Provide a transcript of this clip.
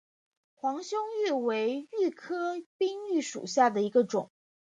黄胸鹬为鹬科滨鹬属下的一个种。